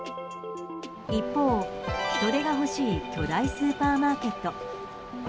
一方、人手が欲しい巨大スーパーマーケット。